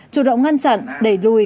chủ động ngăn chặn đẩy lùi